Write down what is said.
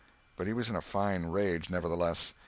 But he was in a fine rage, nevertheless.